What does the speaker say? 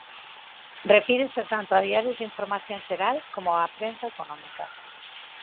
Refírese tanto a diarios de información xeral como á prensa económica.